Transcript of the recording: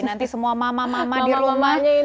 nanti semua mama mama di rumah